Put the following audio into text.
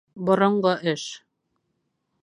-Боронғо эш.